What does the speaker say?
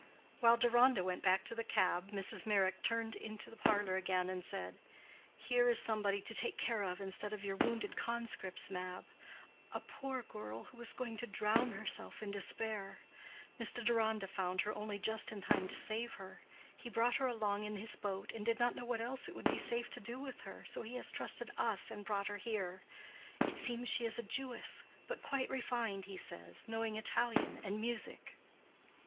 While Deronda went back to the cab, Mrs. Meyrick turned into the parlor again and said: "Here is somebody to take care of instead of your wounded conscripts, Mab: a poor girl who was going to drown herself in despair. Mr. Deronda found her only just in time to save her. He brought her along in his boat, and did not know what else it would be safe to do with her, so he has trusted us and brought her here. It seems she is a Jewess, but quite refined, he says—knowing Italian and music."